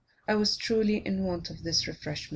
I was truly in want of this refreshment.